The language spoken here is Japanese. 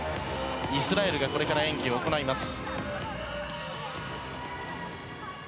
イスラエルがこれから演技を行います。